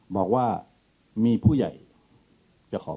บอกว่ามีผู้ใหญ่จะขอ